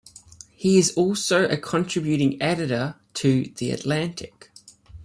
He is also a contributing editor to "The Atlantic".